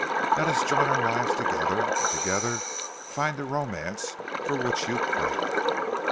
Let us join our lives together, and together find the romance for which you crave."